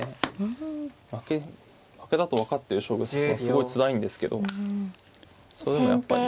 負けだと分かってる将棋を指すのはすごいつらいんですけどそれでもやっぱり。